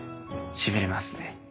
しびれますね。